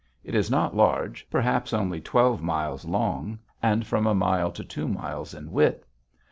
It is not large, perhaps only twelve miles long and from a mile to two miles in width.